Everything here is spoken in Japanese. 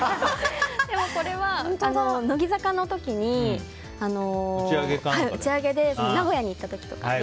これは、乃木坂の時に打ち上げで名古屋に行った時とかに。